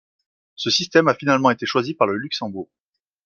Ce système a finalement été choisi par le Luxembourg.